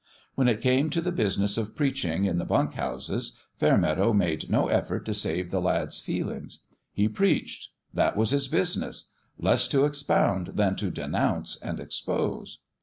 When it came to the business of preaching in the bunk houses, Fairmeadow made no effort to save the lad's feelings. He preached : that was his busi ness less to expound than to denounce and expose.